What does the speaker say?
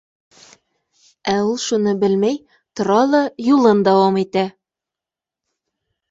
Ә ул шуны белмәй, тора ла, юлын дауам итә.